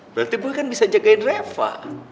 berarti gue kan bisa jagain reva